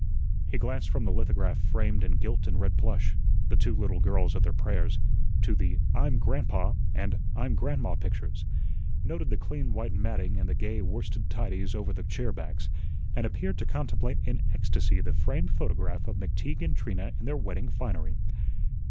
He glanced from the lithograph framed in gilt and red plush the two little girls at their prayers to the "I'm Grandpa" and "I'm Grandma" pictures, noted the clean white matting and the gay worsted tidies over the chair backs, and appeared to contemplate in ecstasy the framed photograph of McTeague and Trina in their wedding finery.